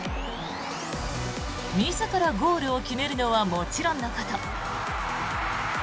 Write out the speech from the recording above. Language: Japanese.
自らゴールを決めるのはもちろんのこと